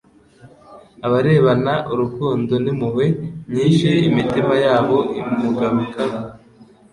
abarebana urukundo n'impuhwe nyinshi, imitima yabo imugarukaho